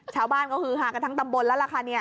ชาวบ้านก็คือฮากันทั้งตำบลแล้วล่ะค่ะ